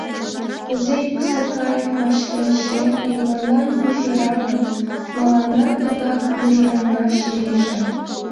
Кузе йӱксӧ кайык, ваш келшен, ӱмырлан мужыраҥыт, мыланнат тугак мужыраҥаш лийже!